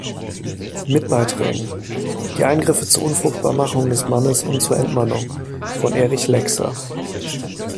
Mit Beiträgen: Die Eingriffe zur Unfruchtbarmachung des Mannes und zur Entmannung, von Erich Lexer.